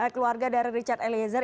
keluarga dari richard elisier